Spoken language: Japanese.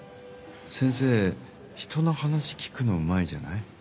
先生ひとの話聞くのうまいじゃない。